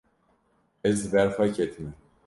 Ez li ber xwe ketime.